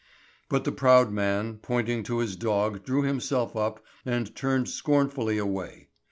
But the proud man, pointing to his dog drew himself up and turned scornfully away.